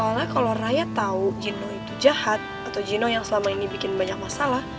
pasti belain gino ya soalnya kalo raya tau gino itu jahat atau gino yang selama ini bikin banyak masalah